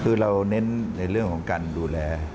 คือเราเน้นในเรื่องของการดูแล